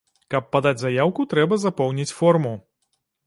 Каб падаць заяўку, трэба запоўніць форму.